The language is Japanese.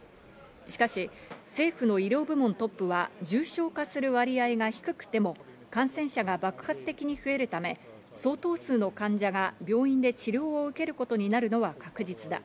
しかし政府の医療部門トップは重症化する割合が低くても感染者が爆発的に増えるため相当数の患者が病院で治療を受けることになるのは確実だ。